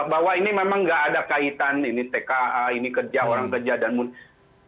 bahwa ini memang nggak ada kaitan ini tka ini kerja orang kerja dan mudah